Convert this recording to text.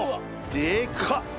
でかっ。